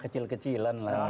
kecil kecilan lah ya